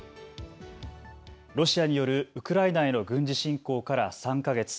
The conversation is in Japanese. ロシアによるウクライナへの軍事侵攻から３か月。